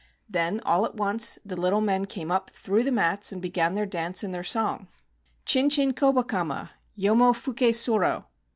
Then, all at once, the little men came up through the mats, and began their dance and their song: — "Chin chin Kobakama, Yomo fuke soro."